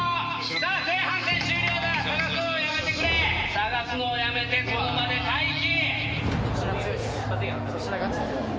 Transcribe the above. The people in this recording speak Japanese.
捜すのをやめてその場で待機。